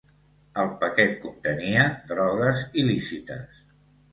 El paquet contenia drogues il·lícites